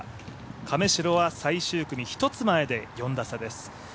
亀代は最終組１つ前で４打差です。